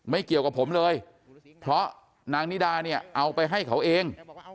ไม่เกี่ยวกับผมเลยเพราะนางนิดาเนี่ยเอาไปให้เขาเอง